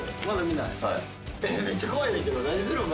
めっちゃ怖いねんけど何するん？